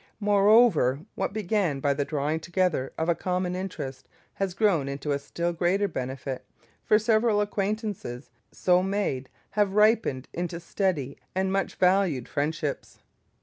Moreover, what began by the drawing together of a common interest has grown into a still greater benefit, for several acquaintances so made have ripened into steady and much valued friendships.